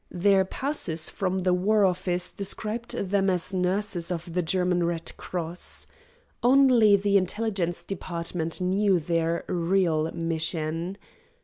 Their passes from the war office described them as nurses of the German Red Cross. Only the Intelligence Department knew their real mission.